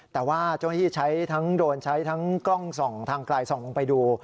แต่ว่าเจ้าหน้าที่ใช้ทั้งโดรนใช้ทั้งกล้องส่องทางไกลส่องลงไปดู